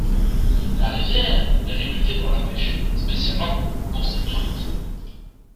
La rivière est réputée pour la pèche, spécialement pour ses truites.